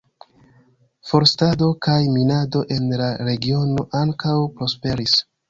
Forstado kaj minado en la regiono ankaŭ prosperis.